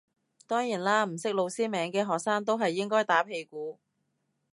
當然啦唔識老師名嘅學生都係應該打屁股